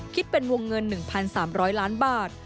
คิดเป็นวงเงิน๑๓๐๐ล้านบาท